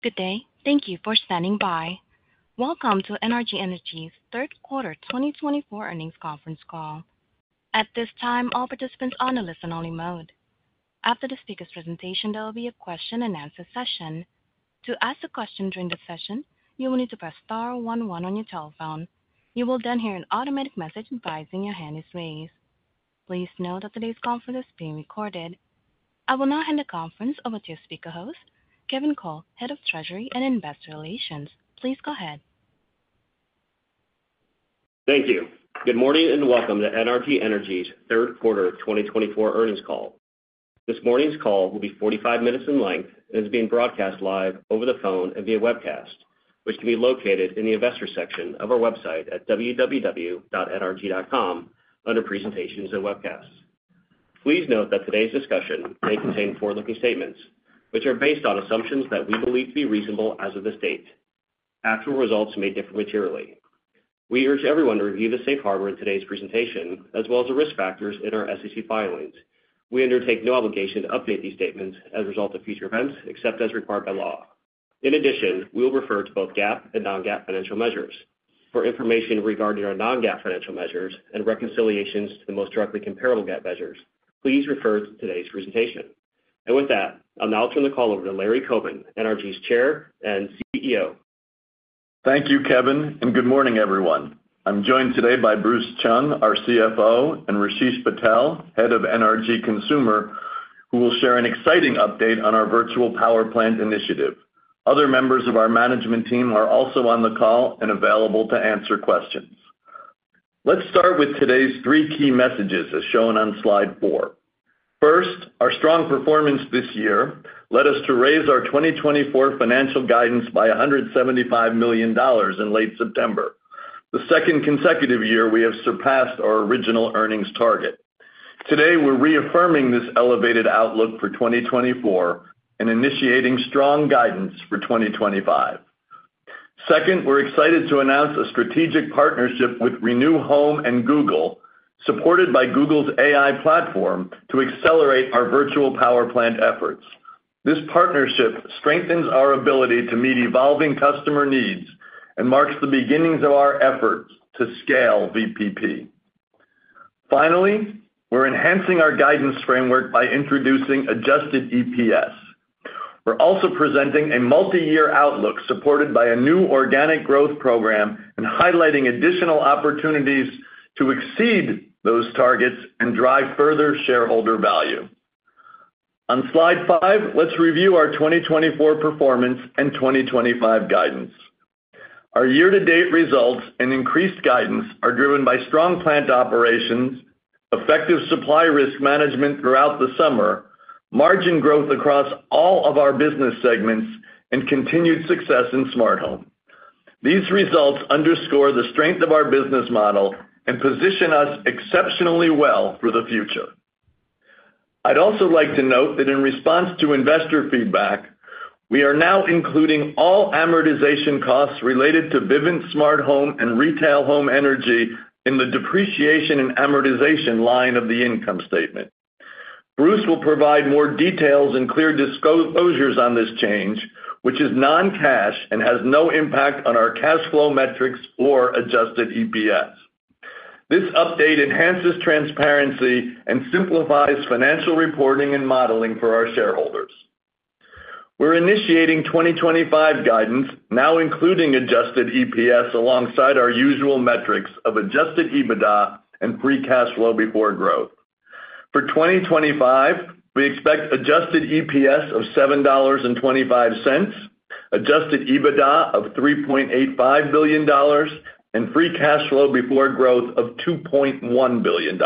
Good day, thank you for standing by. Welcome to NRG Energy's third quarter 2024 earnings conference call. At this time, all participants are on a listen-only mode. After the speaker's presentation, there will be a question-and-answer session. To ask a question during the session, you will need to press star 11 on your telephone. You will then hear an automatic message advising your hand is raised. Please note that today's conference is being recorded. I will now hand the conference over to your speaker host, Kevin Cole, Head of Treasury and Investor Relations. Please go ahead. Thank you. Good morning and welcome to NRG Energy's third quarter 2024 earnings call. This morning's call will be 45 minutes in length and is being broadcast live over the phone and via webcast, which can be located in the investor section of our website at www.nrg.com under Presentations and Webcasts. Please note that today's discussion may contain forward-looking statements, which are based on assumptions that we believe to be reasonable as of this date. Actual results may differ materially. We urge everyone to review the safe harbor in today's presentation, as well as the risk factors in our SEC filings. We undertake no obligation to update these statements as a result of future events, except as required by law. In addition, we will refer to both GAAP and non-GAAP financial measures. For information regarding our non-GAAP financial measures and reconciliations to the most directly comparable GAAP measures, please refer to today's presentation. And with that, I'll now turn the call over to Larry Coben, NRG's Chair and CEO. Thank you, Kevin, and good morning, everyone. I'm joined today by Bruce Chung, our CFO, and Rasesh Patel, Head of NRG Consumer, who will share an exciting update on our virtual power plant initiative. Other members of our management team are also on the call and available to answer questions. Let's start with today's three key messages, as shown on slide four. First, our strong performance this year led us to raise our 2024 financial guidance by $175 million in late September. The second consecutive year, we have surpassed our original earnings target. Today, we're reaffirming this elevated outlook for 2024 and initiating strong guidance for 2025. Second, we're excited to announce a strategic partnership with Renew Home and Google, supported by Google's AI platform, to accelerate our virtual power plant efforts. This partnership strengthens our ability to meet evolving customer needs and marks the beginnings of our efforts to scale VPP. Finally, we're enhancing our guidance framework by introducing Adjusted EPS. We're also presenting a multi-year outlook supported by a new organic growth program and highlighting additional opportunities to exceed those targets and drive further shareholder value. On slide five, let's review our 2024 performance and 2025 guidance. Our year-to-date results and increased guidance are driven by strong plant operations, effective supply risk management throughout the summer, margin growth across all of our business segments, and continued success in smart home. These results underscore the strength of our business model and position us exceptionally well for the future. I'd also like to note that in response to investor feedback, we are now including all amortization costs related to Vivint Smart Home and retail home energy in the depreciation and amortization line of the income statement. Bruce will provide more details and clear disclosures on this change, which is non-cash and has no impact on our cash flow metrics or adjusted EPS. This update enhances transparency and simplifies financial reporting and modeling for our shareholders. We're initiating 2025 guidance, now including adjusted EPS alongside our usual metrics of adjusted EBITDA and free cash flow before growth. For 2025, we expect adjusted EPS of $7.25, adjusted EBITDA of $3.85 billion, and free cash flow before growth of $2.1 billion.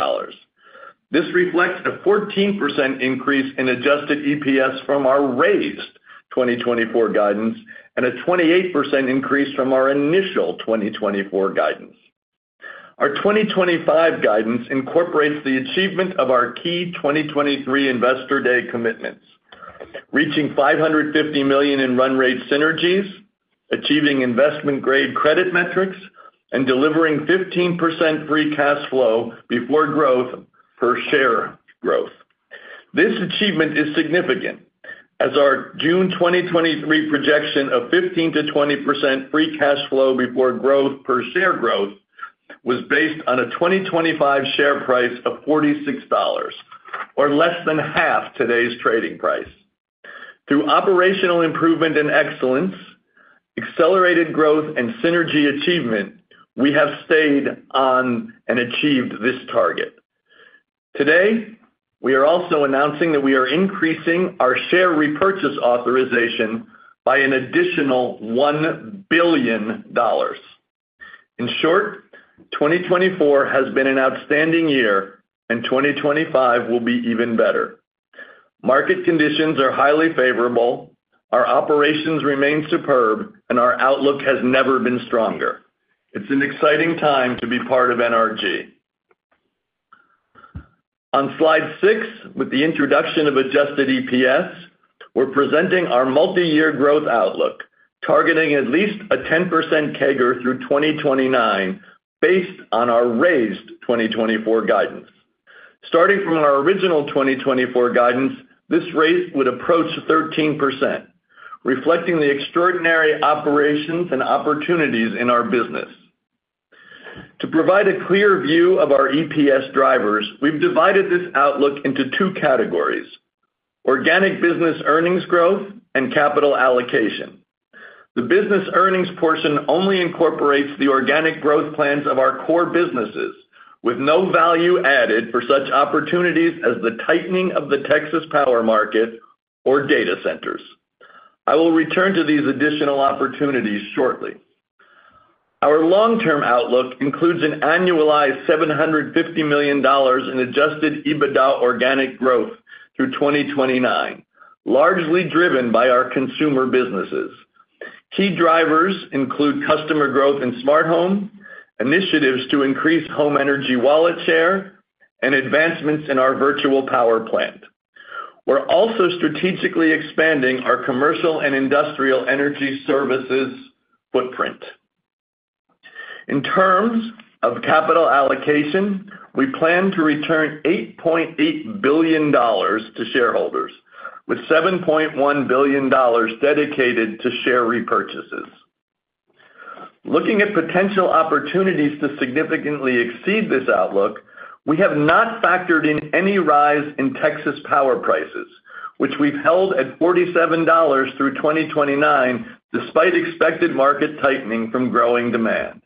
This reflects a 14% increase in adjusted EPS from our raised 2024 guidance and a 28% increase from our initial 2024 guidance. Our 2025 guidance incorporates the achievement of our key 2023 Investor Day commitments, reaching $550 million in run rate synergies, achieving investment-grade credit metrics, and delivering 15% free cash flow before growth per share growth. This achievement is significant, as our June 2023 projection of 15%-20% free cash flow before growth per share growth was based on a 2025 share price of $46, or less than half today's trading price. Through operational improvement and excellence, accelerated growth, and synergy achievement, we have stayed on and achieved this target. Today, we are also announcing that we are increasing our share repurchase authorization by an additional $1 billion. In short, 2024 has been an outstanding year, and 2025 will be even better. Market conditions are highly favorable, our operations remain superb, and our outlook has never been stronger. It's an exciting time to be part of NRG. On slide six, with the introduction of adjusted EPS, we're presenting our multi-year growth outlook, targeting at least a 10% CAGR through 2029, based on our raised 2024 guidance. Starting from our original 2024 guidance, this rate would approach 13%, reflecting the extraordinary operations and opportunities in our business. To provide a clear view of our EPS drivers, we've divided this outlook into two categories: organic business earnings growth and capital allocation. The business earnings portion only incorporates the organic growth plans of our core businesses, with no value added for such opportunities as the tightening of the Texas power market or data centers. I will return to these additional opportunities shortly. Our long-term outlook includes an annualized $750 million in adjusted EBITDA organic growth through 2029, largely driven by our consumer businesses. Key drivers include customer growth in smart home, initiatives to increase home energy wallet share, and advancements in our virtual power plant. We're also strategically expanding our commercial and industrial energy services footprint. In terms of capital allocation, we plan to return $8.8 billion to shareholders, with $7.1 billion dedicated to share repurchases. Looking at potential opportunities to significantly exceed this outlook, we have not factored in any rise in Texas power prices, which we've held at $47 through 2029, despite expected market tightening from growing demand.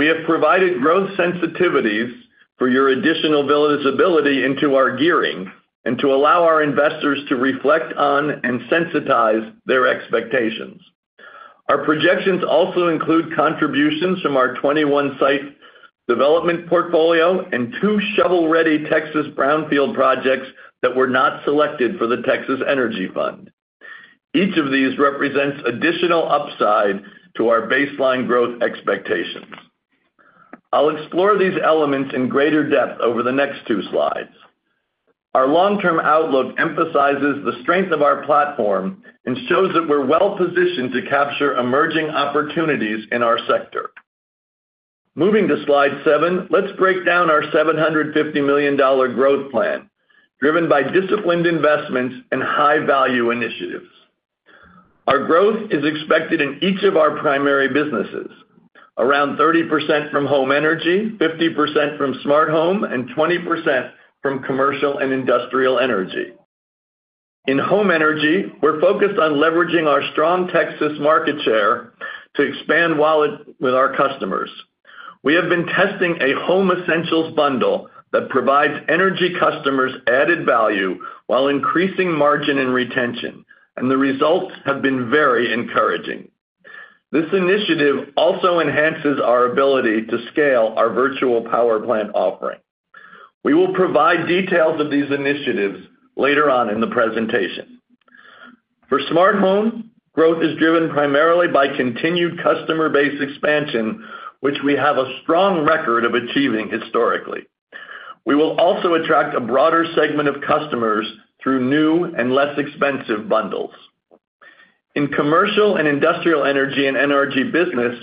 We have provided growth sensitivities for your additional visibility into our gearing and to allow our investors to reflect on and sensitize their expectations. Our projections also include contributions from our 21-site development portfolio and two shovel-ready Texas brownfield projects that were not selected for the Texas Energy Fund. Each of these represents additional upside to our baseline growth expectations. I'll explore these elements in greater depth over the next two slides. Our long-term outlook emphasizes the strength of our platform and shows that we're well-positioned to capture emerging opportunities in our sector. Moving to slide seven, let's break down our $750 million growth plan, driven by disciplined investments and high-value initiatives. Our growth is expected in each of our primary businesses: around 30% from home energy, 50% from smart home, and 20% from commercial and industrial energy. In home energy, we're focused on leveraging our strong Texas market share to expand wallet with our customers. We have been testing a home essentials bundle that provides energy customers added value while increasing margin and retention, and the results have been very encouraging. This initiative also enhances our ability to scale our virtual power plant offering. We will provide details of these initiatives later on in the presentation. For smart home, growth is driven primarily by continued customer base expansion, which we have a strong record of achieving historically. We will also attract a broader segment of customers through new and less expensive bundles. In commercial and industrial energy and energy business,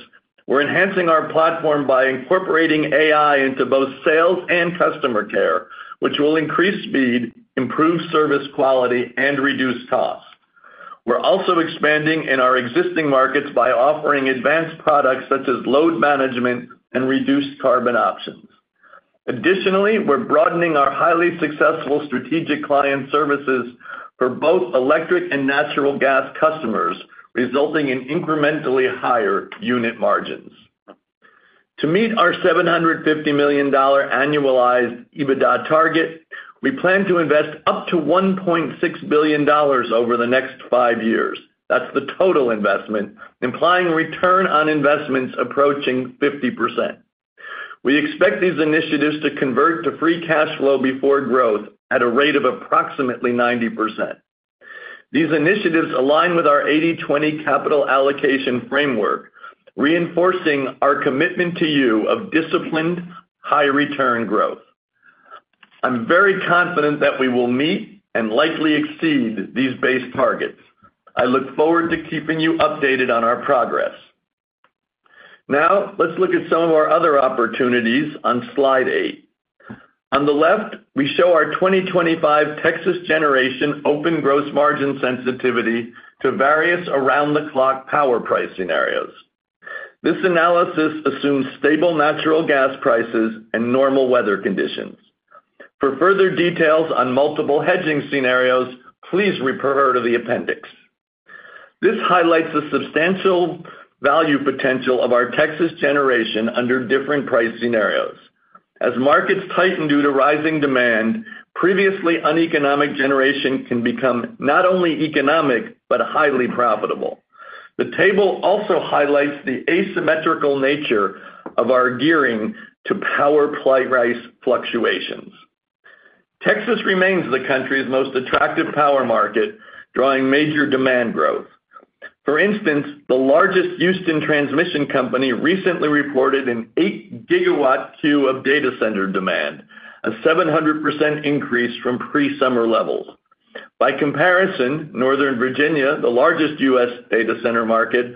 we're enhancing our platform by incorporating AI into both sales and customer care, which will increase speed, improve service quality, and reduce costs. We're also expanding in our existing markets by offering advanced products such as load management and reduced carbon options. Additionally, we're broadening our highly successful strategic client services for both electric and natural gas customers, resulting in incrementally higher unit margins. To meet our $750 million annualized EBITDA target, we plan to invest up to $1.6 billion over the next five years. That's the total investment, implying return on investments approaching 50%. We expect these initiatives to convert to free cash flow before growth at a rate of approximately 90%. These initiatives align with our 80/20 capital allocation framework, reinforcing our commitment to you of disciplined, high-return growth. I'm very confident that we will meet and likely exceed these base targets. I look forward to keeping you updated on our progress. Now, let's look at some of our other opportunities on slide eight. On the left, we show our 2025 Texas generation open gross margin sensitivity to various around-the-clock power price scenarios. This analysis assumes stable natural gas prices and normal weather conditions. For further details on multiple hedging scenarios, please refer to the appendix. This highlights the substantial value potential of our Texas generation under different price scenarios. As markets tighten due to rising demand, previously uneconomic generation can become not only economic but highly profitable. The table also highlights the asymmetrical nature of our gearing to power price fluctuations. Texas remains the country's most attractive power market, drawing major demand growth. For instance, the largest Houston transmission company recently reported an 8 gigawatt queue of data center demand, a 700% increase from pre-summer levels. By comparison, Northern Virginia, the largest U.S. data center market,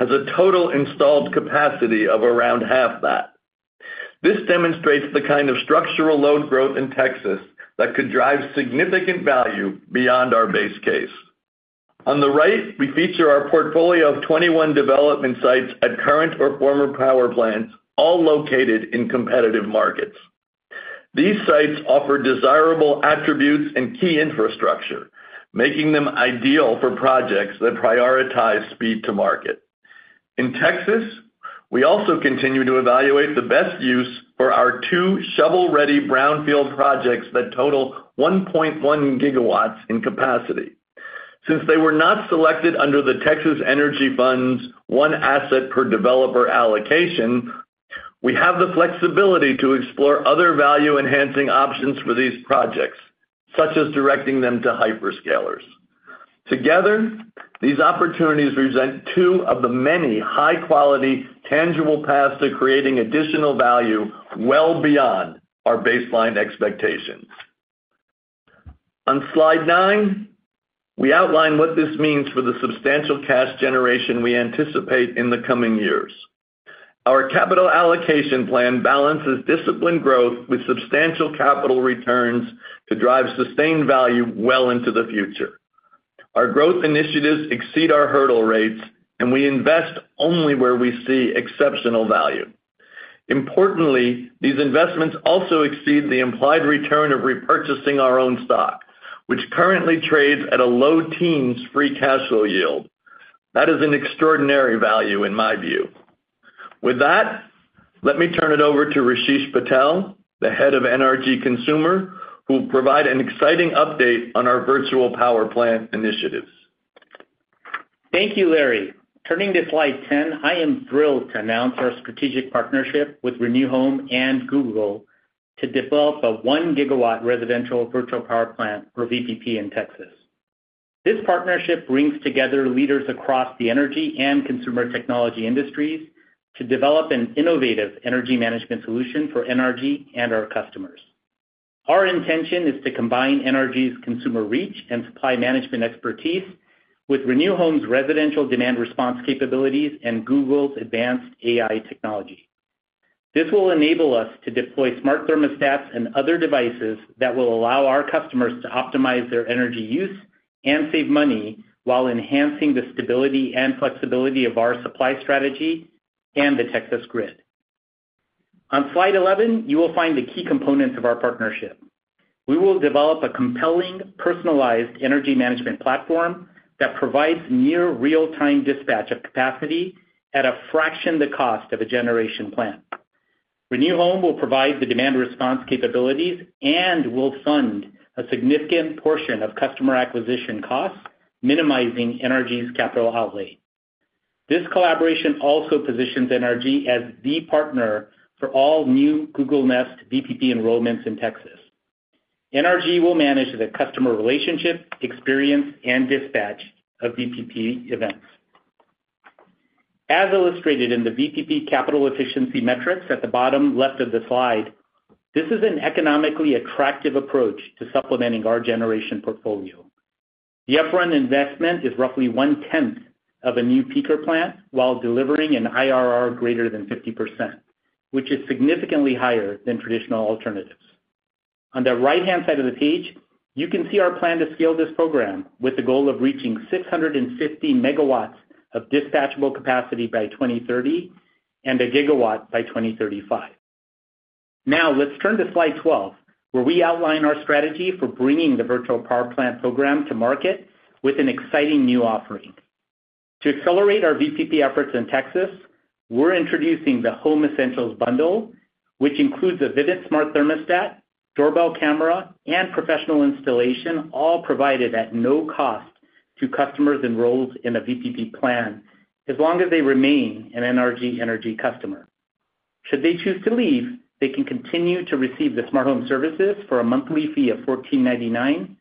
has a total installed capacity of around half that. This demonstrates the kind of structural load growth in Texas that could drive significant value beyond our base case. On the right, we feature our portfolio of 21 development sites at current or former power plants, all located in competitive markets. These sites offer desirable attributes and key infrastructure, making them ideal for projects that prioritize speed to market. In Texas, we also continue to evaluate the best use for our two shovel-ready brownfield projects that total 1.1 gigawatts in capacity. Since they were not selected under the Texas Energy Fund's one asset per developer allocation, we have the flexibility to explore other value-enhancing options for these projects, such as directing them to hyperscalers. Together, these opportunities present two of the many high-quality, tangible paths to creating additional value well beyond our baseline expectations. On slide nine, we outline what this means for the substantial cash generation we anticipate in the coming years. Our capital allocation plan balances disciplined growth with substantial capital returns to drive sustained value well into the future. Our growth initiatives exceed our hurdle rates, and we invest only where we see exceptional value. Importantly, these investments also exceed the implied return of repurchasing our own stock, which currently trades at a low teens free cash flow yield. That is an extraordinary value, in my view. With that, let me turn it over to Rasesh Patel, the head of NRG Consumer, who will provide an exciting update on our virtual power plant initiatives. Thank you, Larry. Turning to slide 10, I am thrilled to announce our strategic partnership with Renew Home and Google to develop a one-gigawatt residential virtual power plant for VPP in Texas. This partnership brings together leaders across the energy and consumer technology industries to develop an innovative energy management solution for NRG and our customers. Our intention is to combine NRG's consumer reach and supply management expertise with Renew Home's residential demand response capabilities and Google's advanced AI technology. This will enable us to deploy smart thermostats and other devices that will allow our customers to optimize their energy use and save money while enhancing the stability and flexibility of our supply strategy and the Texas grid. On slide 11, you will find the key components of our partnership. We will develop a compelling, personalized energy management platform that provides near real-time dispatch of capacity at a fraction of the cost of a generation plant. Renew Home will provide the demand response capabilities and will fund a significant portion of customer acquisition costs, minimizing NRG's capital outlay. This collaboration also positions NRG as the partner for all new Google Nest VPP enrollments in Texas. NRG will manage the customer relationship, experience, and dispatch of VPP events. As illustrated in the VPP capital efficiency metrics at the bottom left of the slide, this is an economically attractive approach to supplementing our generation portfolio. The upfront investment is roughly one-tenth of a new peaker plant while delivering an IRR greater than 50%, which is significantly higher than traditional alternatives. On the right-hand side of the page, you can see our plan to scale this program with the goal of reaching 650 megawatts of dispatchable capacity by 2030 and a gigawatt by 2035. Now, let's turn to slide 12, where we outline our strategy for bringing the virtual power plant program to market with an exciting new offering. To accelerate our VPP efforts in Texas, we're introducing the Home Essentials Bundle, which includes a Vivint Smart Thermostat, doorbell camera, and professional installation, all provided at no cost to customers enrolled in a VPP plan, as long as they remain an NRG Energy customer. Should they choose to leave, they can continue to receive the smart home services for a monthly fee of $14.99,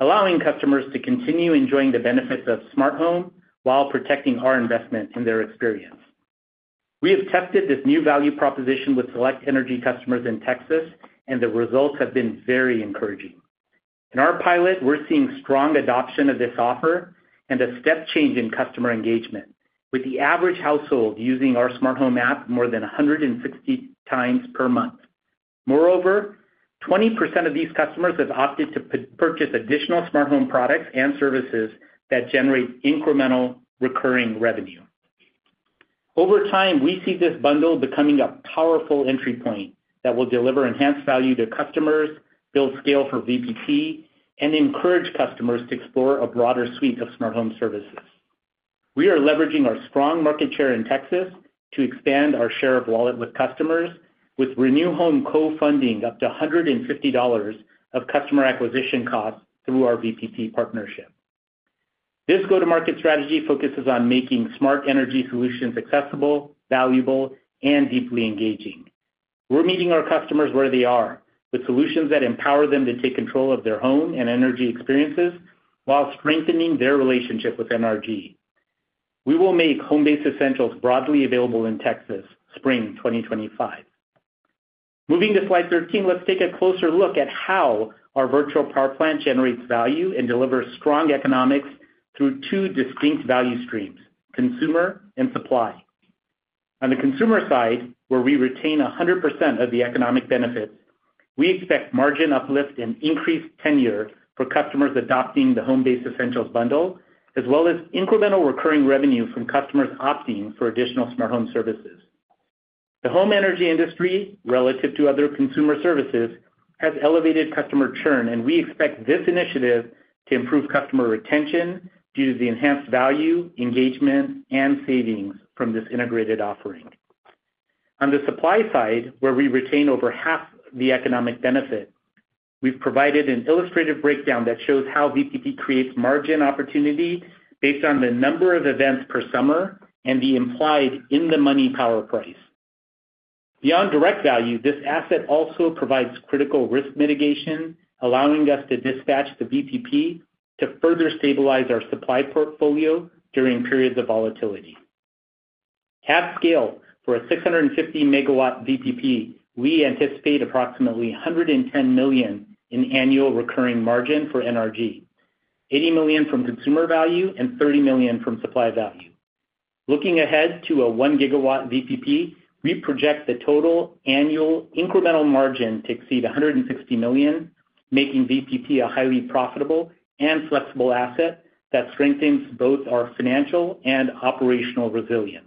allowing customers to continue enjoying the benefits of smart home while protecting our investment in their experience. We have tested this new value proposition with select energy customers in Texas, and the results have been very encouraging. In our pilot, we're seeing strong adoption of this offer and a step change in customer engagement, with the average household using our smart home app more than 160 times per month. Moreover, 20% of these customers have opted to purchase additional smart home products and services that generate incremental recurring revenue. Over time, we see this bundle becoming a powerful entry point that will deliver enhanced value to customers, build scale for VPP, and encourage customers to explore a broader suite of smart home services. We are leveraging our strong market share in Texas to expand our share of wallet with customers, with Renew Home co-funding up to $150 of customer acquisition costs through our VPP partnership. This go-to-market strategy focuses on making smart energy solutions accessible, valuable, and deeply engaging. We're meeting our customers where they are, with solutions that empower them to take control of their home and energy experiences while strengthening their relationship with NRG. We will make Home Base Essentials broadly available in Texas spring 2025. Moving to slide 13, let's take a closer look at how our virtual power plant generates value and delivers strong economics through two distinct value streams: consumer and supply. On the consumer side, where we retain 100% of the economic benefits, we expect margin uplift and increased tenure for customers adopting the Home Base Essentials Bundle, as well as incremental recurring revenue from customers opting for additional smart home services. The home energy industry, relative to other consumer services, has elevated customer churn, and we expect this initiative to improve customer retention due to the enhanced value, engagement, and savings from this integrated offering. On the supply side, where we retain over half the economic benefit, we've provided an illustrative breakdown that shows how VPP creates margin opportunity based on the number of events per summer and the implied in-the-money power price. Beyond direct value, this asset also provides critical risk mitigation, allowing us to dispatch the VPP to further stabilize our supply portfolio during periods of volatility. At scale, for a 650-megawatt VPP, we anticipate approximately $110 million in annual recurring margin for NRG, $80 million from consumer value and $30 million from supply value. Looking ahead to a one-gigawatt VPP, we project the total annual incremental margin to exceed $160 million, making VPP a highly profitable and flexible asset that strengthens both our financial and operational resilience.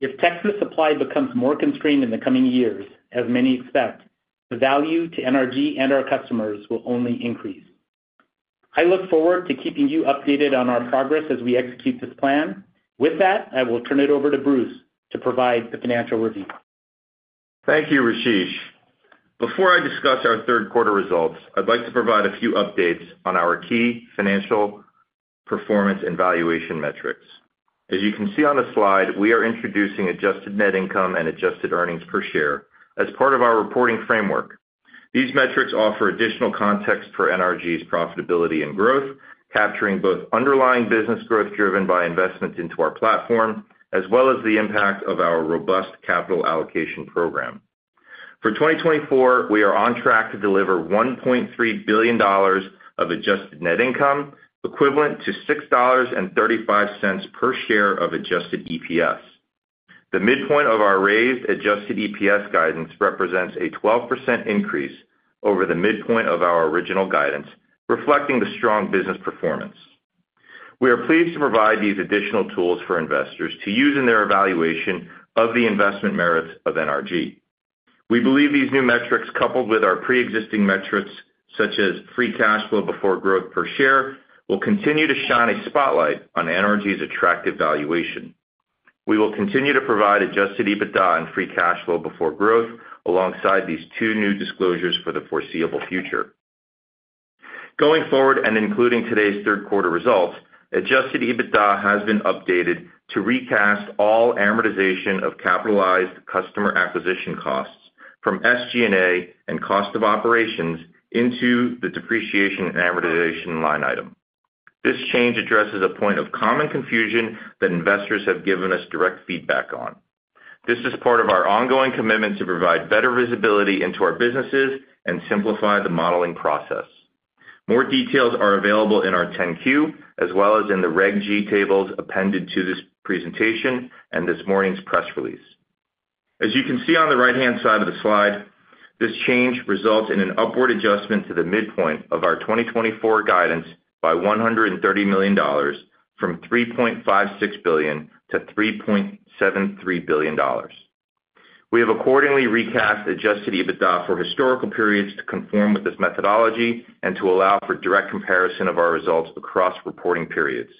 If Texas supply becomes more constrained in the coming years, as many expect, the value to NRG and our customers will only increase. I look forward to keeping you updated on our progress as we execute this plan. With that, I will turn it over to Bruce to provide the financial review. Thank you, Rasesh. Before I discuss our third quarter results, I'd like to provide a few updates on our key financial performance and valuation metrics. As you can see on the slide, we are introducing Adjusted Net Income and Adjusted Earnings Per Share as part of our reporting framework. These metrics offer additional context for NRG's profitability and growth, capturing both underlying business growth driven by investment into our platform, as well as the impact of our robust capital allocation program. For 2024, we are on track to deliver $1.3 billion of adjusted net income, equivalent to $6.35 per share of adjusted EPS. The midpoint of our raised adjusted EPS guidance represents a 12% increase over the midpoint of our original guidance, reflecting the strong business performance. We are pleased to provide these additional tools for investors to use in their evaluation of the investment merits of NRG. We believe these new metrics, coupled with our pre-existing metrics, such as free cash flow before growth per share, will continue to shine a spotlight on NRG's attractive valuation. We will continue to provide adjusted EBITDA and free cash flow before growth alongside these two new disclosures for the foreseeable future. Going forward and including today's third quarter results, Adjusted EBITDA has been updated to recast all amortization of capitalized customer acquisition costs from SG&A and cost of operations into the depreciation and amortization line item. This change addresses a point of common confusion that investors have given us direct feedback on. This is part of our ongoing commitment to provide better visibility into our businesses and simplify the modeling process. More details are available in our 10-Q, as well as in the Reg G tables appended to this presentation and this morning's press release. As you can see on the right-hand side of the slide, this change results in an upward adjustment to the midpoint of our 2024 guidance by $130 million from $3.56 billion-$3.73 billion. We have accordingly recast Adjusted EBITDA for historical periods to conform with this methodology and to allow for direct comparison of our results across reporting periods.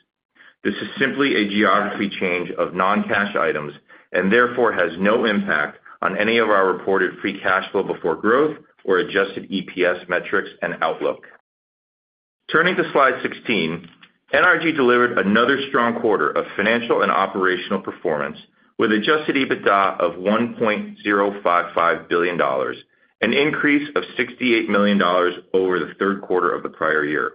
This is simply a geography change of non-cash items and therefore has no impact on any of our reported free cash flow before growth or Adjusted EPS metrics and outlook. Turning to slide 16, NRG delivered another strong quarter of financial and operational performance with Adjusted EBITDA of $1.055 billion, an increase of $68 million over the third quarter of the prior year.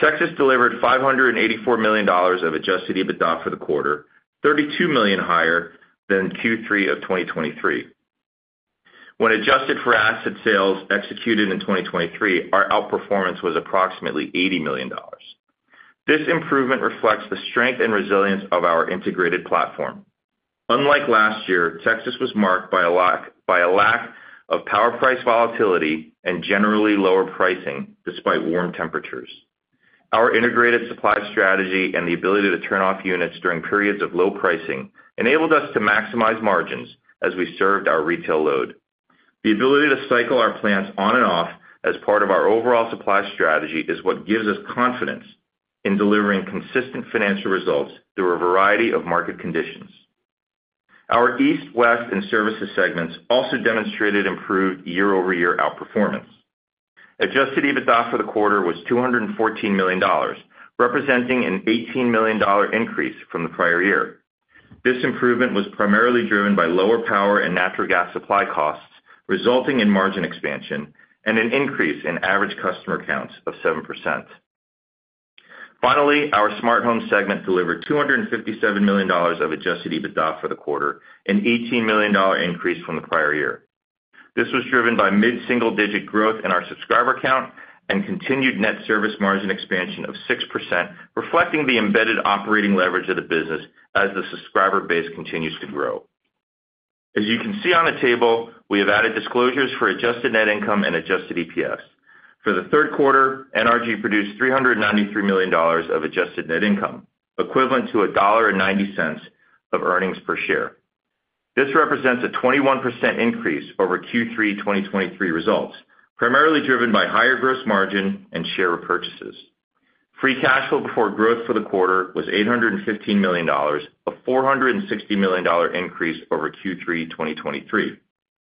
Texas delivered $584 million of Adjusted EBITDA for the quarter, $32 million higher than Q3 of 2023. When adjusted for asset sales executed in 2023, our outperformance was approximately $80 million. This improvement reflects the strength and resilience of our integrated platform. Unlike last year, Texas was marked by a lack of power price volatility and generally lower pricing despite warm temperatures. Our integrated supply strategy and the ability to turn off units during periods of low pricing enabled us to maximize margins as we served our retail load. The ability to cycle our plants on and off as part of our overall supply strategy is what gives us confidence in delivering consistent financial results through a variety of market conditions. Our east, west, and services segments also demonstrated improved year-over-year outperformance. Adjusted EBITDA for the quarter was $214 million, representing an $18 million increase from the prior year. This improvement was primarily driven by lower power and natural gas supply costs, resulting in margin expansion and an increase in average customer counts of 7%. Finally, our smart home segment delivered $257 million of Adjusted EBITDA for the quarter, an $18 million increase from the prior year. This was driven by mid-single-digit growth in our subscriber count and continued net service margin expansion of 6%, reflecting the embedded operating leverage of the business as the subscriber base continues to grow. As you can see on the table, we have added disclosures for Adjusted Net Income and Adjusted EPS. For the third quarter, NRG produced $393 million of Adjusted Net Income, equivalent to $1.90 of earnings per share. This represents a 21% increase over Q3 2023 results, primarily driven by higher gross margin and share of purchases. Free Cash Flow Before Growth for the quarter was $815 million, a $460 million increase over Q3 2023.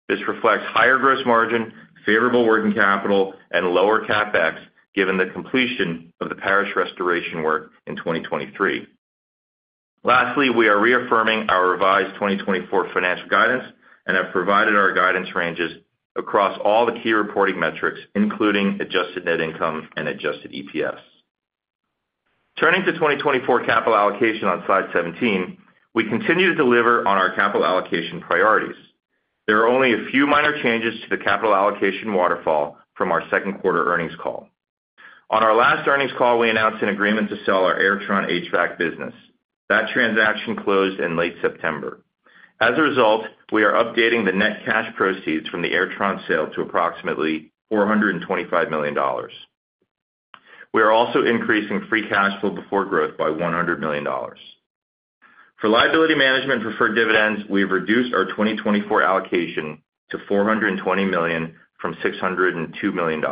This reflects higher gross margin, favorable working capital, and lower CapEx, given the completion of the Parish restoration work in 2023. Lastly, we are reaffirming our revised 2024 financial guidance and have provided our guidance ranges across all the key reporting metrics, including adjusted net income and adjusted EPS. Turning to 2024 capital allocation on slide 17, we continue to deliver on our capital allocation priorities. There are only a few minor changes to the capital allocation waterfall from our second quarter earnings call. On our last earnings call, we announced an agreement to sell our Airtron HVAC business. That transaction closed in late September. As a result, we are updating the net cash proceeds from the Airtron sale to approximately $425 million. We are also increasing free cash flow before growth by $100 million. For liability management and preferred dividends, we've reduced our 2024 allocation to $420 million from $602 million.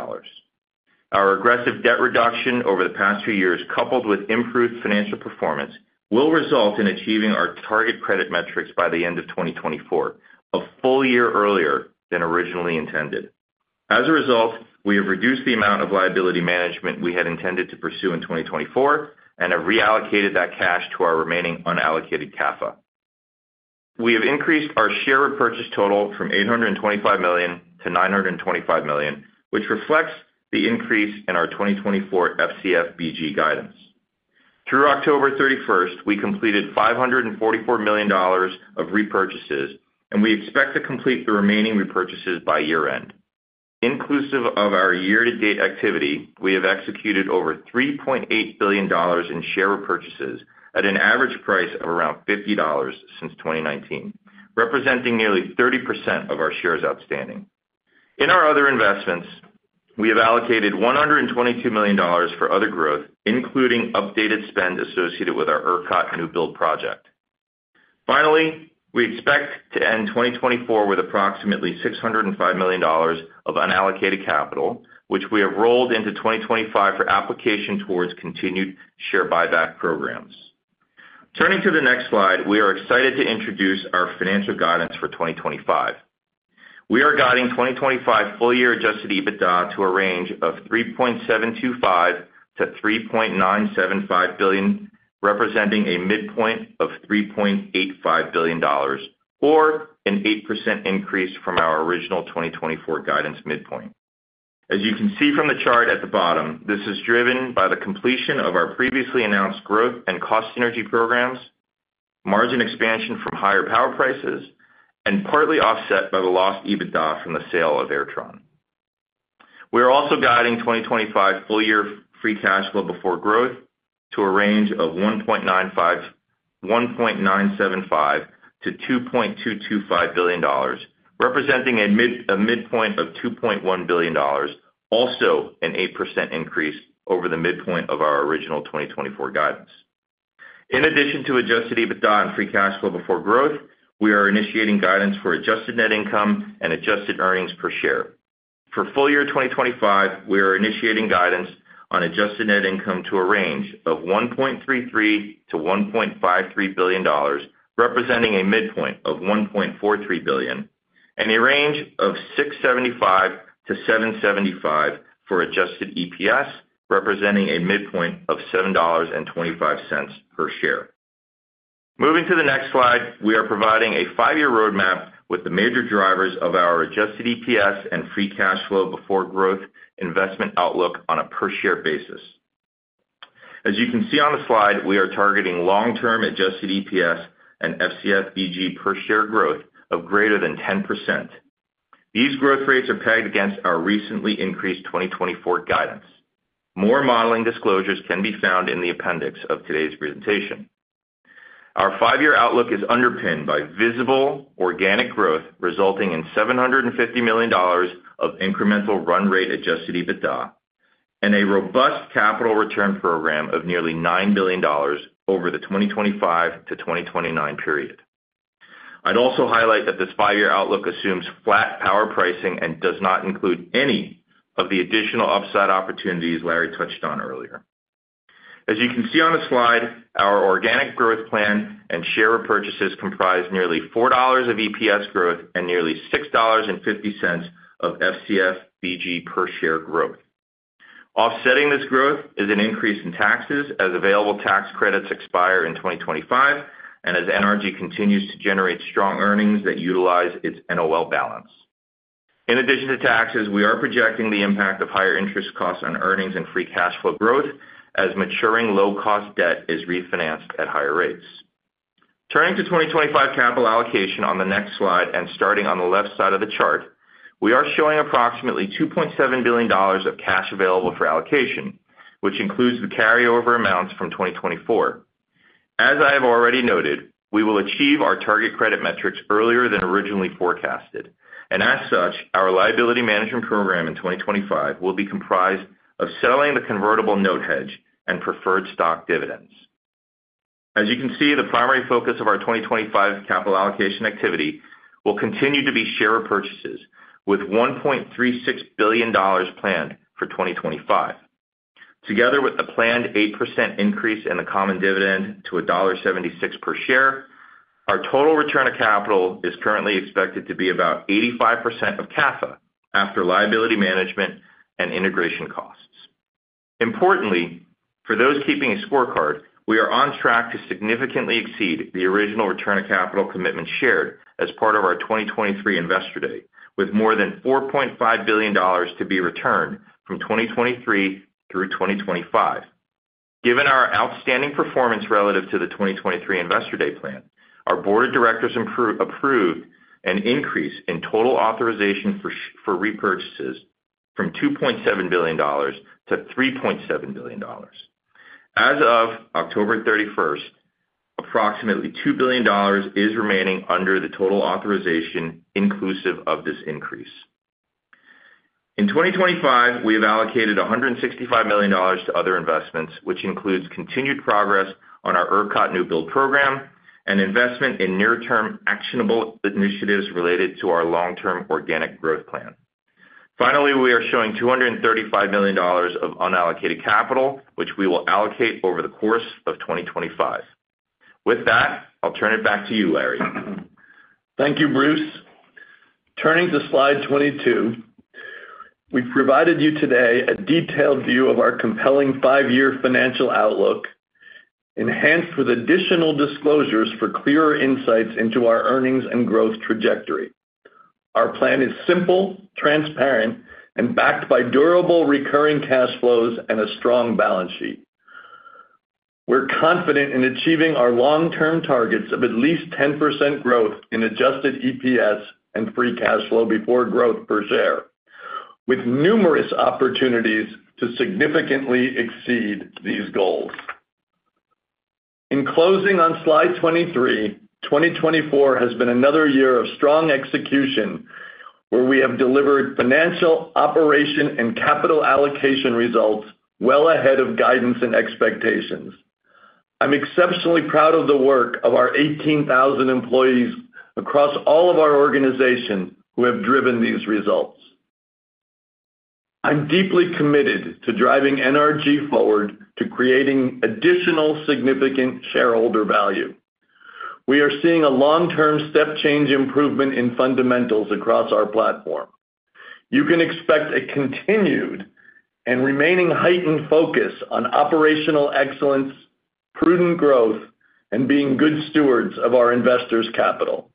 Our aggressive debt reduction over the past few years, coupled with improved financial performance, will result in achieving our target credit metrics by the end of 2024, a full year earlier than originally intended. As a result, we have reduced the amount of liability management we had intended to pursue in 2024 and have reallocated that cash to our remaining unallocated CAFA. We have increased our share repurchase total from $825 million-$925 million, which reflects the increase in our 2024 FCFBG guidance. Through October 31st, we completed $544 million of repurchases, and we expect to complete the remaining repurchases by year-end. Inclusive of our year-to-date activity, we have executed over $3.8 billion in share repurchases at an average price of around $50 since 2019, representing nearly 30% of our shares outstanding. In our other investments, we have allocated $122 million for other growth, including updated spend associated with our ERCOT new build project. Finally, we expect to end 2024 with approximately $605 million of unallocated capital, which we have rolled into 2025 for application towards continued share buyback programs. Turning to the next slide, we are excited to introduce our financial guidance for 2025. We are guiding 2025 full-year adjusted EBITDA to a range of $3.725 billion-$3.975 billion, representing a midpoint of $3.85 billion, or an 8% increase from our original 2024 guidance midpoint. As you can see from the chart at the bottom, this is driven by the completion of our previously announced growth and cost synergy programs, margin expansion from higher power prices, and partly offset by the lost EBITDA from the sale of Airtron. We are also guiding 2025 full-year free cash flow before growth to a range of $1.975 billion-$2.225 billion, representing a midpoint of $2.1 billion, also an 8% increase over the midpoint of our original 2024 guidance. In addition to adjusted EBITDA and free cash flow before growth, we are initiating guidance for adjusted net income and adjusted earnings per share. For full-year 2025, we are initiating guidance on adjusted net income to a range of $1.33 billion-$1.53 billion, representing a midpoint of $1.43 billion, and a range of $6.75-$7.75 for adjusted EPS, representing a midpoint of $7.25 per share. Moving to the next slide, we are providing a five-year roadmap with the major drivers of our adjusted EPS and free cash flow before growth investment outlook on a per-share basis. As you can see on the slide, we are targeting long-term adjusted EPS and FCFBG per share growth of greater than 10%. These growth rates are pegged against our recently increased 2024 guidance. More modeling disclosures can be found in the appendix of today's presentation. Our five-year outlook is underpinned by visible organic growth, resulting in $750 million of incremental run rate adjusted EBITDA and a robust capital return program of nearly $9 billion over the 2025 to 2029 period. I'd also highlight that this five-year outlook assumes flat power pricing and does not include any of the additional upside opportunities Larry touched on earlier. As you can see on the slide, our organic growth plan and share repurchases comprise nearly $4 of EPS growth and nearly $6.50 of FCFBG per share growth. Offsetting this growth is an increase in taxes as available tax credits expire in 2025 and as NRG continues to generate strong earnings that utilize its NOL balance. In addition to taxes, we are projecting the impact of higher interest costs on earnings and free cash flow growth as maturing low-cost debt is refinanced at higher rates. Turning to 2025 capital allocation on the next slide and starting on the left side of the chart, we are showing approximately $2.7 billion of cash available for allocation, which includes the carryover amounts from 2024. As I have already noted, we will achieve our target credit metrics earlier than originally forecasted, and as such, our liability management program in 2025 will be comprised of selling the convertible note hedge and preferred stock dividends. As you can see, the primary focus of our 2025 capital allocation activity will continue to be share repurchases, with $1.36 billion planned for 2025. Together with the planned 8% increase in the common dividend to $1.76 per share, our total return of capital is currently expected to be about 85% of CAFA after liability management and integration costs. Importantly, for those keeping a scorecard, we are on track to significantly exceed the original return of capital commitment shared as part of our 2023 Investor Day, with more than $4.5 billion to be returned from 2023 through 2025. Given our outstanding performance relative to the 2023 Investor Day plan, our board of directors approved an increase in total authorization for repurchases from $2.7 billion-$3.7 billion. As of October 31st, approximately $2 billion is remaining under the total authorization inclusive of this increase. In 2025, we have allocated $165 million to other investments, which includes continued progress on our ERCOT new build program and investment in near-term actionable initiatives related to our long-term organic growth plan. Finally, we are showing $235 million of unallocated capital, which we will allocate over the course of 2025. With that, I'll turn it back to you, Larry. Thank you, Bruce. Turning to slide 22, we've provided you today a detailed view of our compelling five-year financial outlook, enhanced with additional disclosures for clearer insights into our earnings and growth trajectory. Our plan is simple, transparent, and backed by durable recurring cash flows and a strong balance sheet. We're confident in achieving our long-term targets of at least 10% growth in adjusted EPS and free cash flow before growth per share, with numerous opportunities to significantly exceed these goals. In closing on slide 23, 2024 has been another year of strong execution where we have delivered financial, operational, and capital allocation results well ahead of guidance and expectations. I'm exceptionally proud of the work of our 18,000 employees across all of our organizations who have driven these results. I'm deeply committed to driving NRG forward to creating additional significant shareholder value. We are seeing a long-term step change improvement in fundamentals across our platform. You can expect a continued and remaining heightened focus on operational excellence, prudent growth, and being good stewards of our investors' capital.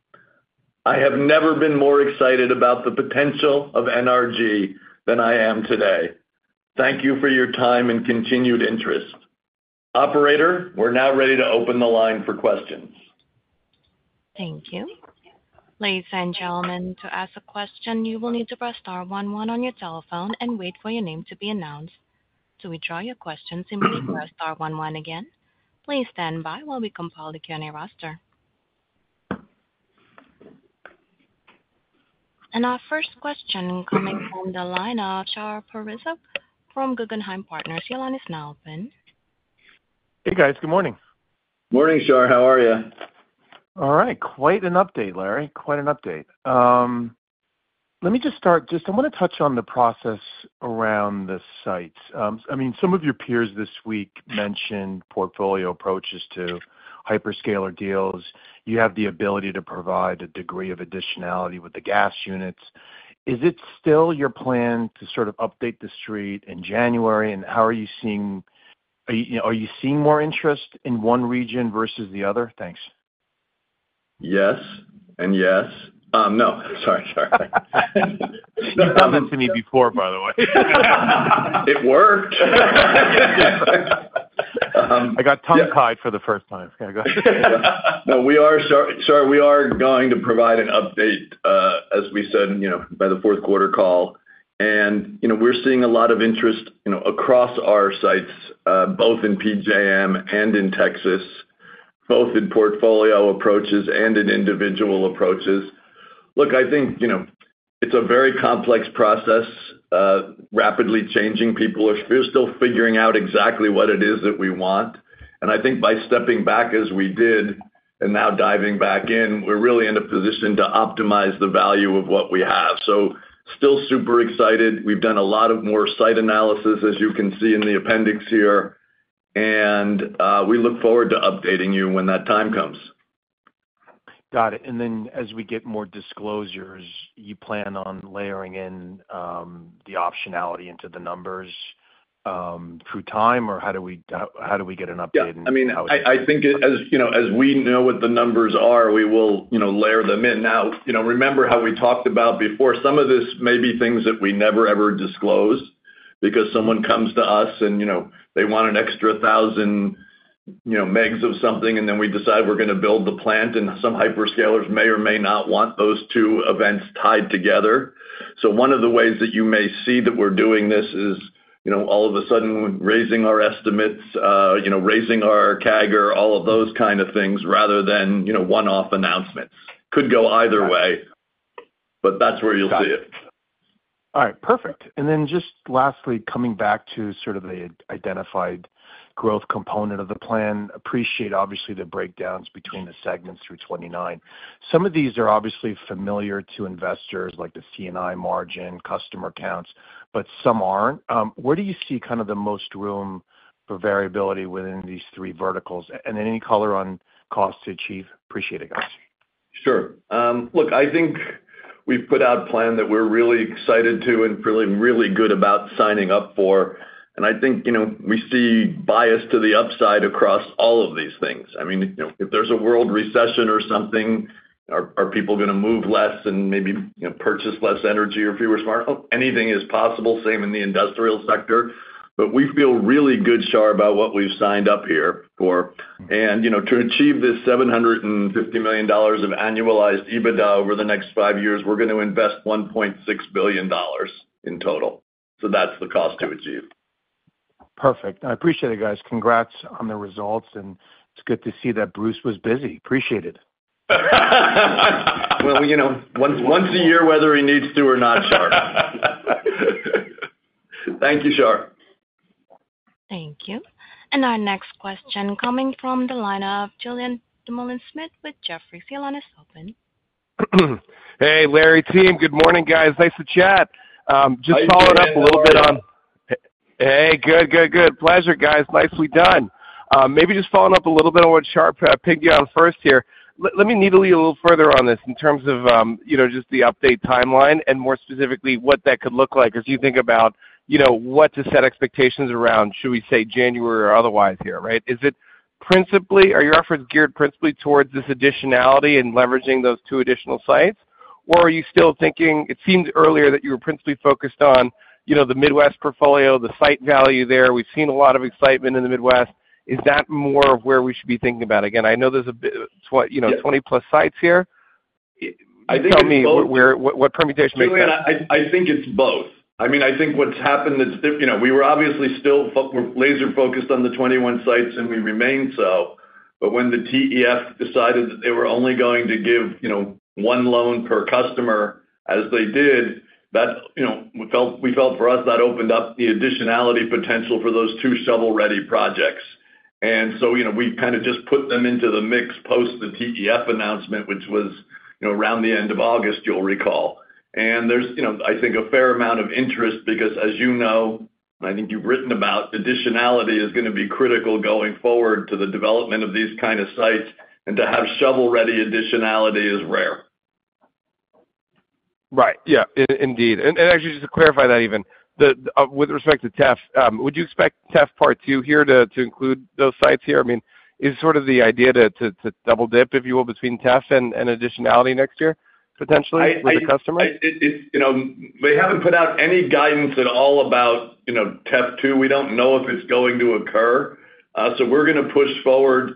I have never been more excited about the potential of NRG than I am today. Thank you for your time and continued interest. Operator, we're now ready to open the line for questions. Thank you. Ladies and gentlemen, to ask a question, you will need to press star 1 1 on your telephone and wait for your name to be announced. To withdraw your question, you may press star 1 1 again. Please stand by while we compile the Q&A roster. And our first question coming from the line of Shar Pourreza from Guggenheim Partners. Your line is now open. Hey, guys. Good morning. Morning, Shar. How are you? All right. Quite an update, Larry. Quite an update. Let me just start. Just I want to touch on the process around the sites. I mean, some of your peers this week mentioned portfolio approaches to hyperscaler deals. You have the ability to provide a degree of additionality with the gas units. Is it still your plan to sort of update the street in January? And how are you seeing are you seeing more interest in one region versus the other? Thanks. Yes and yes. No. Sorry, sorry. You've done that to me before, by the way. It worked. I got tongue-tied for the first time. No, we are sorry. We are going to provide an update, as we said, by the fourth quarter call. And we're seeing a lot of interest across our sites, both in PJM and in Texas, both in portfolio approaches and in individual approaches. Look, I think it's a very complex process, rapidly changing. People are still figuring out exactly what it is that we want. And I think by stepping back as we did and now diving back in, we're really in a position to optimize the value of what we have. So still super excited. We've done a lot more site analysis, as you can see in the appendix here. We look forward to updating you when that time comes. Got it. Then as we get more disclosures, you plan on layering in the optionality into the numbers through time, or how do we get an update in the house? Yeah. I mean, I think as we know what the numbers are, we will layer them in. Now, remember how we talked about before. Some of this may be things that we never, ever disclose because someone comes to us and they want an extra 1,000 megs of something, and then we decide we're going to build the plant, and some hyperscalers may or may not want those two events tied together. So one of the ways that you may see that we're doing this is all of a sudden raising our estimates, raising our CAGR, all of those kind of things, rather than one-off announcements. Could go either way, but that's where you'll see it. All right. Perfect. And then just lastly, coming back to sort of the identified growth component of the plan, appreciate obviously the breakdowns between the segments through 2029. Some of these are obviously familiar to investors like the C&I margin, customer counts, but some aren't. Where do you see kind of the most room for variability within these three verticals? And then any color on cost to achieve? Appreciate it, guys. Sure. Look, I think we've put out a plan that we're really excited to and feeling really good about signing up for. And I think we see bias to the upside across all of these things. I mean, if there's a world recession or something, are people going to move less and maybe purchase less energy or fewer smartphones? Anything is possible, same in the industrial sector. But we feel really good, Shar, about what we've signed up here for. And to achieve this $750 million of annualized EBITDA over the next five years, we're going to invest $1.6 billion in total. So that's the cost to achieve. Perfect. I appreciate it, guys. Congrats on the results. And it's good to see that Bruce was busy. Appreciate it. Well, once a year, whether he needs to or not, Shar. Thank you, Shar. Thank you. And our next question coming from the line of Julien Dumoulin-Smith with Jefferies on the line. Hey, Larry team. Good morning, guys. Nice to chat. Just following up a little bit on. Hey, good, good, good. Pleasure, guys. Nicely done. Maybe just following up a little bit on what Shar pegged you on first here. Let me needle you a little further on this in terms of just the update timeline and more specifically what that could look like as you think about what to set expectations around, should we say, January or otherwise here, right? Are your efforts geared principally towards this additionality and leveraging those two additional sites? Or are you still thinking it seemed earlier that you were principally focused on the Midwest portfolio, the site value there? We've seen a lot of excitement in the Midwest. Is that more of where we should be thinking about? Again, I know there's 20+ sites here. Tell me what permutation makes sense. I think it's both. I mean, I think what's happened is we were obviously still laser-focused on the 21 sites, and we remained so. But when the TEF decided that they were only going to give one loan per customer as they did, we felt for us that opened up the additionality potential for those two shovel-ready projects. And so we kind of just put them into the mix post the TEF announcement, which was around the end of August, you'll recall. And there's, I think, a fair amount of interest because, as you know, and I think you've written about, additionality is going to be critical going forward to the development of these kind of sites. And to have shovel-ready additionality is rare. Right. Yeah, indeed. And actually, just to clarify that even, with respect to TEF, would you expect TEF part two here to include those sites here? I mean, is sort of the idea to double-dip, if you will, between TEF and additionality next year, potentially, for the customers? We haven't put out any guidance at all about TEF two. We don't know if it's going to occur. So we're going to push forward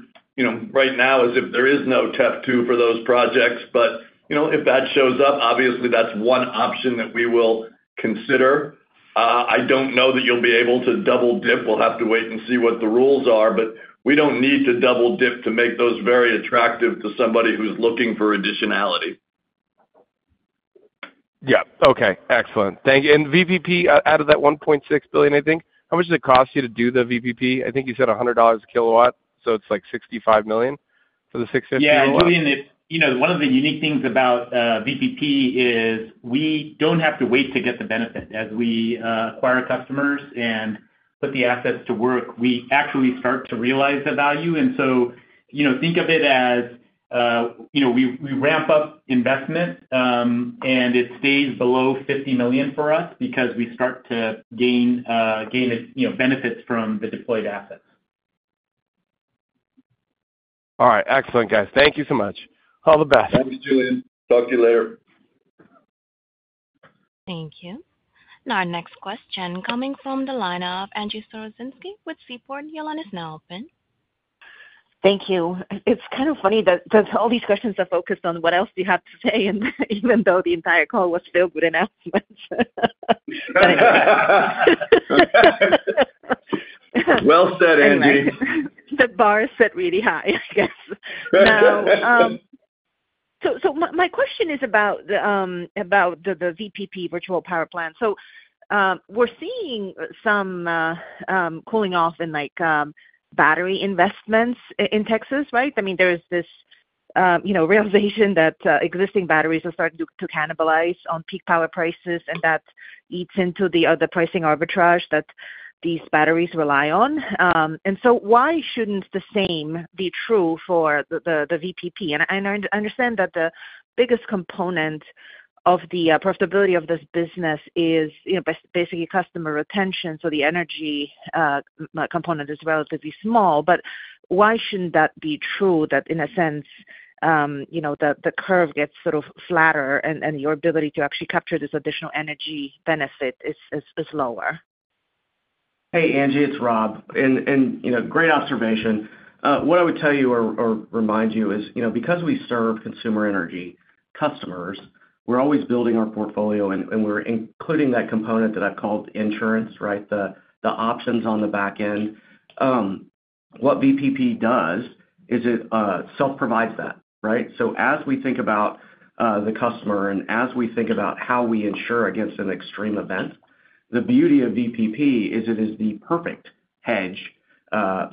right now as if there is no TEF two for those projects. But if that shows up, obviously, that's one option that we will consider. I don't know that you'll be able to double-dip. We'll have to wait and see what the rules are. But we don't need to double-dip to make those very attractive to somebody who's looking for additionality. Yeah. Okay. Excellent. Thank you. And VPP, out of that $1.6 billion, I think, how much did it cost you to do the VPP? I think you said $100 a kilowatt. So it's like $65 million for the 650 kilowatt. Yeah. And Julien, one of the unique things about VPP is we don't have to wait to get the benefit. As we acquire customers and put the assets to work, we actually start to realize the value. And so think of it as we ramp up investment, and it stays below $50 million for us because we start to gain benefits from the deployed assets. All right. Excellent, guys. Thank you so much. All the best. Thank you, Julien. Talk to you later. Thank you. And our next question coming from the line of Angie Storozynski with Seaport. Your line is now open. Thank you. It's kind of funny that all these questions are focused on what else do you have to say, even though the entire call was filled with announcements. Well said, Angie. The bar is set really high, I guess. So my question is about the VPP virtual power plant. We're seeing some cooling off in battery investments in Texas, right? I mean, there's this realization that existing batteries are starting to cannibalize on peak power prices, and that eats into the other pricing arbitrage that these batteries rely on. And so why shouldn't the same be true for the VPP? And I understand that the biggest component of the profitability of this business is basically customer retention. So the energy component is relatively small. But why shouldn't that be true that, in a sense, the curve gets sort of flatter and your ability to actually capture this additional energy benefit is lower? Hey, Angie, it's Rob. And great observation. What I would tell you or remind you is because we serve consumer energy customers, we're always building our portfolio, and we're including that component that I've called insurance, right, the options on the back end. What VPP does is it self-provides that, right? So as we think about the customer and as we think about how we insure against an extreme event, the beauty of VPP is it is the perfect hedge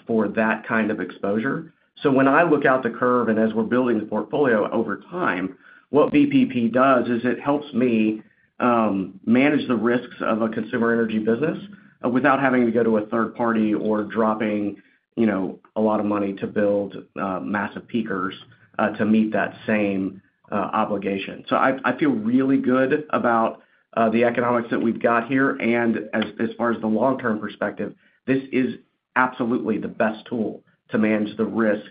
for that kind of exposure. So when I look out the curve and as we're building the portfolio over time, what VPP does is it helps me manage the risks of a consumer energy business without having to go to a third party or dropping a lot of money to build massive peakers to meet that same obligation. So I feel really good about the economics that we've got here. And as far as the long-term perspective, this is absolutely the best tool to manage the risk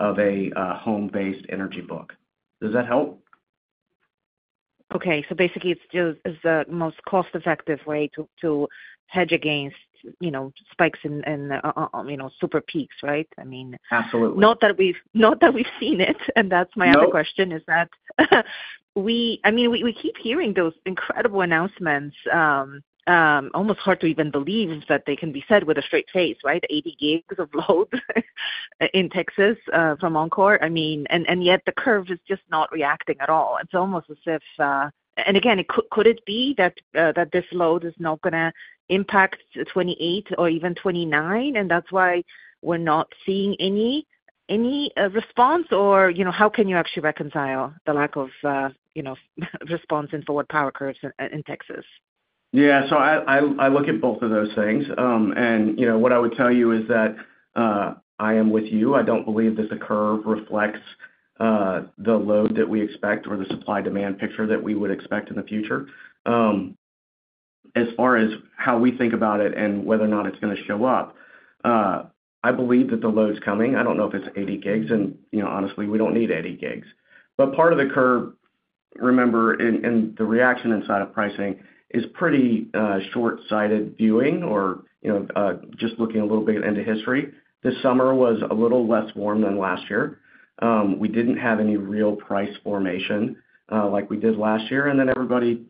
of a home-based energy book. Does that help? Okay. So basically, it's the most cost-effective way to hedge against spikes and super peaks, right? I mean, not that we've seen it, and that's my other question. I mean, we keep hearing those incredible announcements. Almost hard to even believe that they can be said with a straight face, right? 80 GW of load in Texas from Oncor. I mean, and yet the curve is just not reacting at all. It's almost as if, and again, could it be that this load is not going to impact 2028 or even 2029, and that's why we're not seeing any response? Or how can you actually reconcile the lack of response in forward power curves in Texas? Yeah, so I look at both of those things, and what I would tell you is that I am with you. I don't believe this curve reflects the load that we expect or the supply-demand picture that we would expect in the future. As far as how we think about it and whether or not it's going to show up, I believe that the load's coming. I don't know if it's 80 gigs. And honestly, we don't need 80 gigs. But part of the curve, remember, and the reaction inside of pricing is pretty short-sighted viewing or just looking a little bit into history. This summer was a little less warm than last year. We didn't have any real price formation like we did last year. And then everybody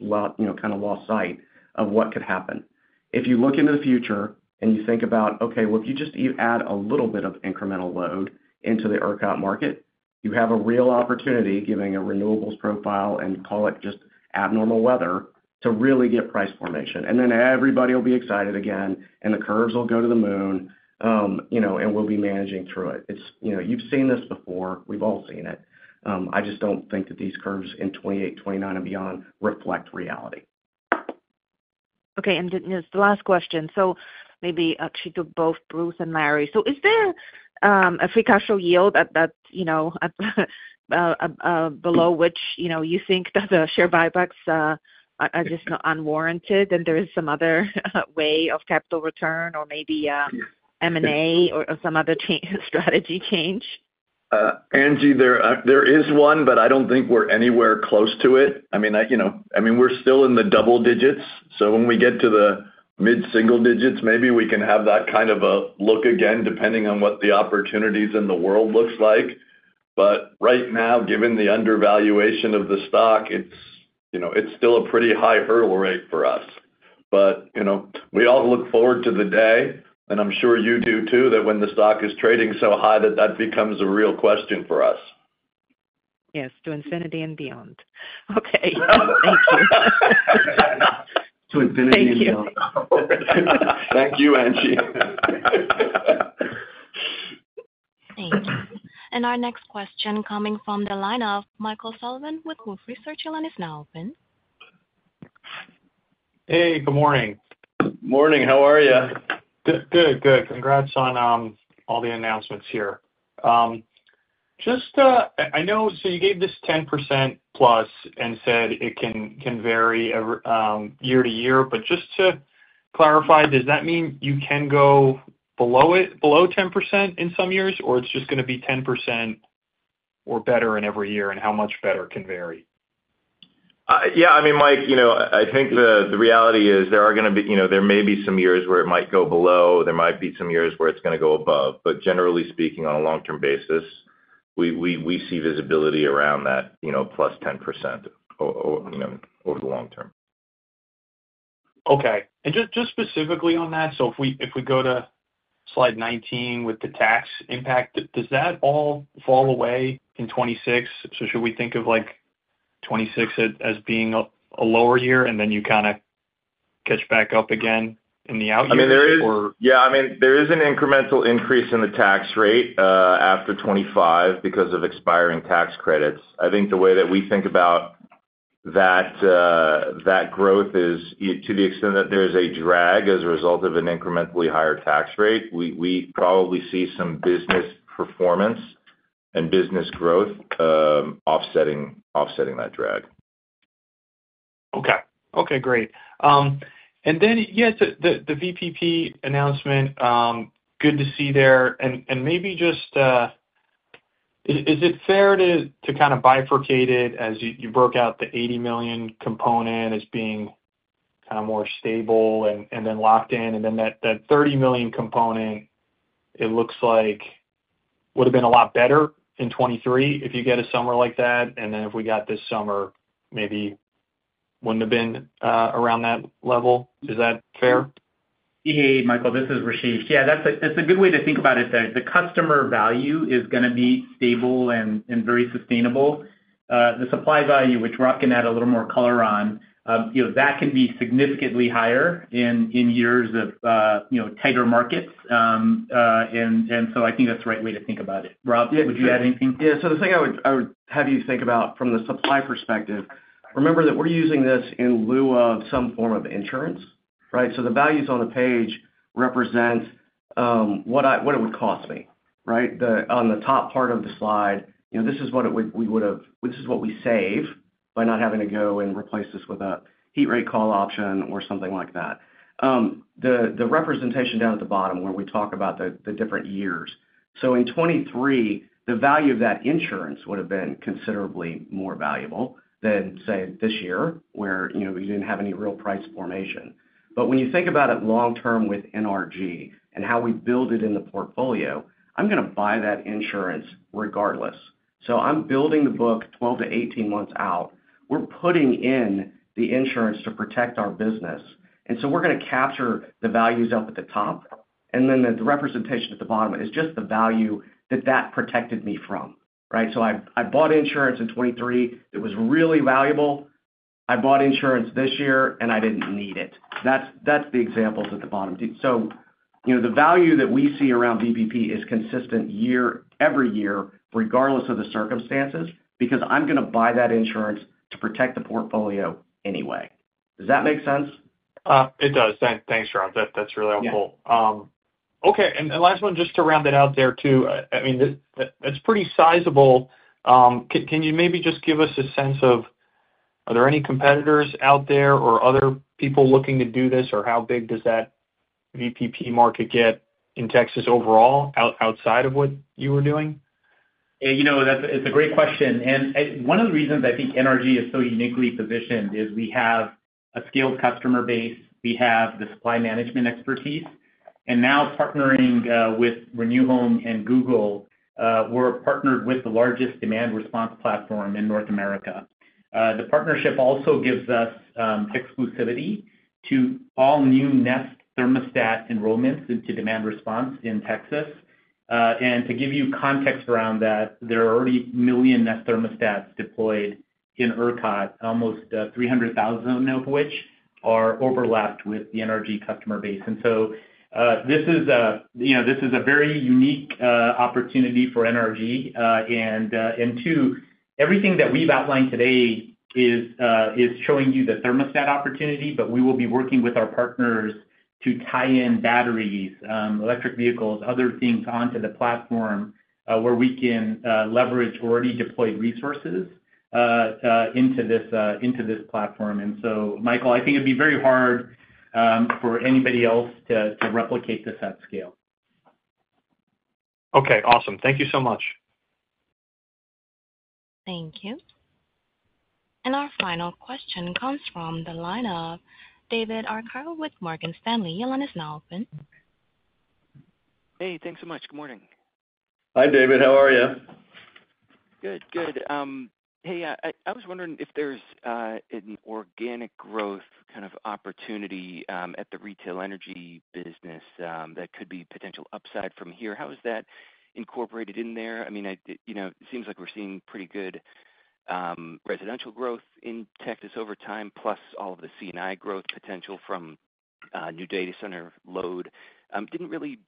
kind of lost sight of what could happen. If you look into the future and you think about, "Okay, well, if you just add a little bit of incremental load into the ERCOT market, you have a real opportunity given a renewables profile and call it just abnormal weather to really get price formation." And then everybody will be excited again, and the curves will go to the moon, and we'll be managing through it. You've seen this before. We've all seen it. I just don't think that these curves in 2028, 2029, and beyond reflect reality. Okay. And just the last question. So maybe actually to both Bruce and Larry. So is there a free cash flow yield below which you think that the share buybacks are just not unwarranted? And there is some other way of capital return or maybe M&A or some other strategy change? Angie, there is one, but I don't think we're anywhere close to it. I mean, we're still in the double digits. So when we get to the mid-single digits, maybe we can have that kind of a look again depending on what the opportunities in the world look like. But right now, given the undervaluation of the stock, it's still a pretty high hurdle rate for us. But we all look forward to the day, and I'm sure you do too, that when the stock is trading so high that that becomes a real question for us. Yes. To infinity and beyond. Okay. Thank you. To infinity and beyond. Thank you, Angie. Thank you. And our next question coming from the line of Michael Sullivan with Wolfe Research. Your line is now open. Hey, good morning. Morning. How are you? Good, good. Congrats on all the announcements here. I know, so you gave this 10%+ and said it can vary year to year. But just to clarify, does that mean you can go below 10% in some years, or it's just going to be 10% or better in every year? And how much better can vary? Yeah. I mean, Mike, I think the reality is there may be some years where it might go below. There might be some years where it's going to go above. But generally speaking, on a long-term basis, we see visibility around that plus 10% over the long term. Okay. And just specifically on that, so if we go to slide 19 with the tax impact, does that all fall away in 2026? So should we think of 2026 as being a lower year and then you kind of catch back up again in the out year? I mean, there is an incremental increase in the tax rate after 2025 because of expiring tax credits. I think the way that we think about that growth is to the extent that there is a drag as a result of an incrementally higher tax rate, we probably see some business performance and business growth offsetting that drag. Okay. Okay. Great. And then, yeah, the VPP announcement, good to see there. And maybe just is it fair to kind of bifurcate it as you broke out the $80 million component as being kind of more stable and then locked in? And then that $30 million component, it looks like would have been a lot better in 2023 if you get a summer like that. And then if we got this summer, maybe wouldn't have been around that level. Is that fair? Hey, Michael, this is Rasesh. Yeah. That's a good way to think about it there. The customer value is going to be stable and very sustainable. The supply value, which Rob can add a little more color on, that can be significantly higher in years of tighter markets. And so I think that's the right way to think about it. Rob, would you add anything? Yeah. So the thing I would have you think about from the supply perspective, remember that we're using this in lieu of some form of insurance, right? So the values on the page represent what it would cost me, right? On the top part of the slide, this is what we save by not having to go and replace this with a heat rate call option or something like that. The representation down at the bottom where we talk about the different years. So in 2023, the value of that insurance would have been considerably more valuable than, say, this year where we didn't have any real price formation. But when you think about it long term with NRG and how we build it in the portfolio, I'm going to buy that insurance regardless. So I'm building the book 12-18 months out. We're putting in the insurance to protect our business. And so we're going to capture the values up at the top. And then the representation at the bottom is just the value that that protected me from, right? So I bought insurance in 2023. It was really valuable. I bought insurance this year, and I didn't need it. That's the examples at the bottom. So the value that we see around VPP is consistent every year regardless of the circumstances because I'm going to buy that insurance to protect the portfolio anyway. Does that make sense? It does. Thanks, Rob. That's really helpful. Okay. And last one, just to round it out there too. I mean, it's pretty sizable. Can you maybe just give us a sense of are there any competitors out there or other people looking to do this? Or how big does that VPP market get in Texas overall outside of what you were doing? Yeah. It's a great question. And one of the reasons I think NRG is so uniquely positioned is we have a skilled customer base. We have the supply management expertise. And now partnering with Renew Home and Google, we're partnered with the largest demand response platform in North America. The partnership also gives us exclusivity to all new Nest thermostat enrollments into demand response in Texas. And to give you context around that, there are already 1 million Nest thermostats deployed in ERCOT, almost 300,000 of which are overlapped with the NRG customer base. And so this is a very unique opportunity for NRG. And two, everything that we've outlined today is showing you the thermostat opportunity, but we will be working with our partners to tie in batteries, electric vehicles, other things onto the platform where we can leverage already deployed resources into this platform. And so, Michael, I think it'd be very hard for anybody else to replicate this at scale. Okay. Awesome. Thank you so much. Thank you. And our final question comes from the line of David Arcaro with Morgan Stanley. Your line is now open. Hey, thanks so much. Good morning. Hi, David. How are you? Good, good. Hey, I was wondering if there's an organic growth kind of opportunity at the retail energy business that could be potential upside from here. How is that incorporated in there? I mean, it seems like we're seeing pretty good residential growth in Texas over time, plus all of the C&I growth potential from new data center load. Didn't really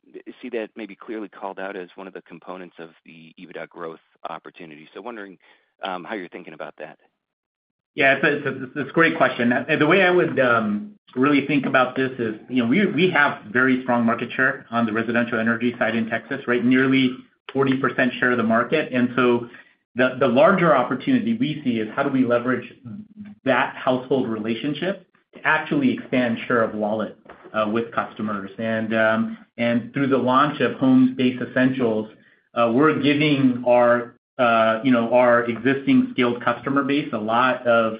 see that maybe clearly called out as one of the components of the EBITDA growth opportunity. So wondering how you're thinking about that. Yeah. It's a great question. The way I would really think about this is we have very strong market share on the residential energy side in Texas, right? Nearly 40% share of the market. And so the larger opportunity we see is how do we leverage that household relationship to actually expand share of wallet with customers? Through the launch of Home Base Essentials, we're giving our existing skilled customer base a lot of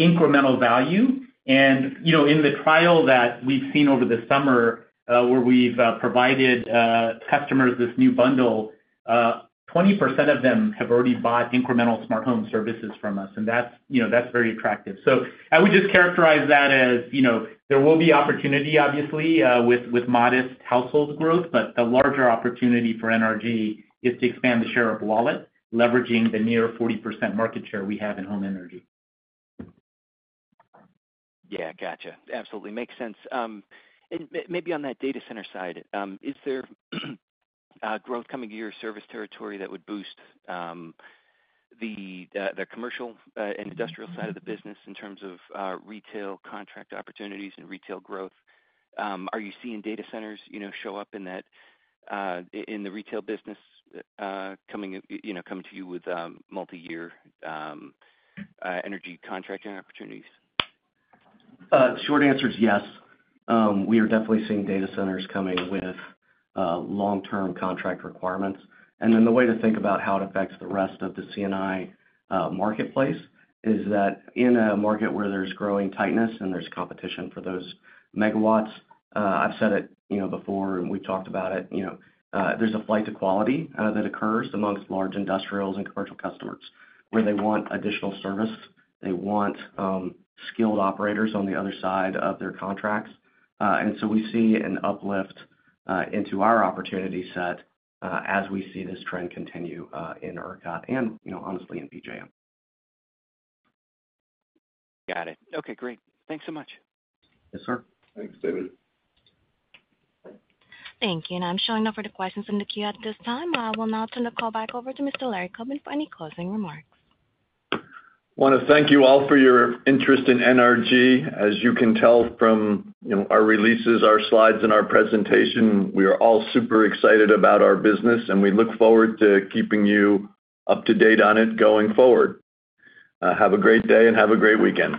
incremental value. In the trial that we've seen over the summer where we've provided customers this new bundle, 20% of them have already bought incremental smart home services from us. That's very attractive. I would just characterize that as there will be opportunity, obviously, with modest household growth, but the larger opportunity for NRG is to expand the share of wallet, leveraging the near 40% market share we have in home energy. Yeah. Gotcha. Absolutely. Makes sense. Maybe on that data center side, is there growth coming to your service territory that would boost the commercial and industrial side of the business in terms of retail contract opportunities and retail growth? Are you seeing data centers show up in the retail business coming to you with multi-year energy contracting opportunities? Short answer is yes. We are definitely seeing data centers coming with long-term contract requirements. And then the way to think about how it affects the rest of the C&I marketplace is that in a market where there's growing tightness and there's competition for those megawatts, I've said it before, and we've talked about it, there's a flight to quality that occurs amongst large industrials and commercial customers where they want additional service. They want skilled operators on the other side of their contracts. And so we see an uplift into our opportunity set as we see this trend continue in ERCOT and honestly in PJM. Got it. Okay. Great. Thanks so much. Yes, sir. Thanks, David. Thank you. And I'm showing no further questions in the queue at this time. I will now turn the call back over to Mr. Larry Coben for any closing remarks. Want to thank you all for your interest in NRG. As you can tell from our releases, our slides, and our presentation, we are all super excited about our business, and we look forward to keeping you up to date on it going forward. Have a great day and have a great weekend.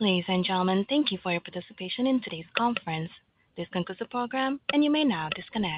Ladies and gentlemen, thank you for your participation in today's conference. This concludes the program, and you may now disconnect.